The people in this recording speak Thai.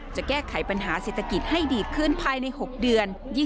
จะแก้ไขปัญหาเศรษฐกิจให้ดีขึ้นภายใน๖เดือน